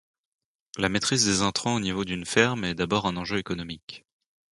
La maîtrise des intrants au niveau d'une ferme est d'abord un enjeu économique.